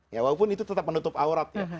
ya walaupun itu tetap menutup aurat ya